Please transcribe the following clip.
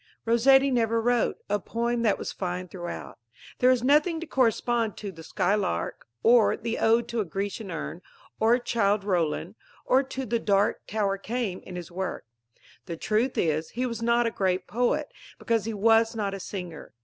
_ Rossetti never wrote; a poem that was fine throughout. There is nothing to correspond to The Skylark or the Ode to a Grecian Urn or Childe Roland to the Dark Tower Came in his work. The truth is, he was not a great poet, because he was not a singer.